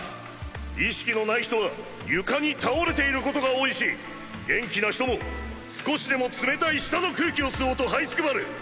意識のない人は床に倒れていることが多いし元気な人も少しでも冷たい下の空気を吸おうと這いつくばる。